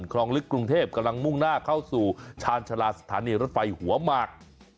คลองลึกกรุงเทพกำลังมุ่งหน้าเข้าสู่ชาญชาลาสถานีรถไฟหัวหมาก